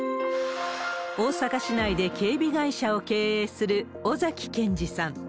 大阪市内で警備会社を経営する尾崎建爾さん。